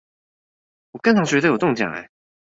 我更常覺得有中獎耶